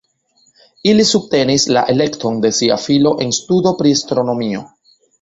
Ili subtenis la elekton de sia filo en studo pri astronomio.